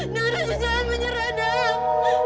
daraja jangan menyerah datuk